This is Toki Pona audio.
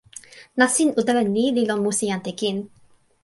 nasin utala ni li lon musi ante kin.